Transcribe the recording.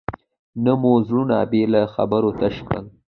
نه مو زړونه بې له خبرو تش کړل.